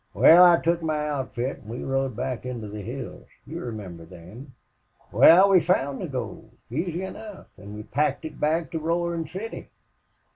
Wal, I took my outfit, an' we rode back into the hills. You remember them. Wal, we found the gold, easy enough, an' we packed it back to Roarin' City.